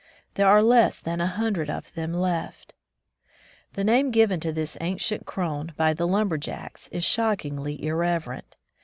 There are less than a hundred of them left ! The name given to this ancient crone by the lumber jacks is shockingly irreverent.